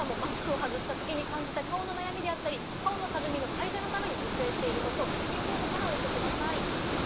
視聴者の皆さんもマスクを外したときに感じる顔の悩みや顔のたるみ改善のために実践していることを二次元コードからお寄せください。